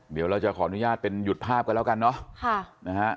เดี๋ยวเราจะขออนุญาตเป็นหยุดภาพกันแล้วกันเนาะ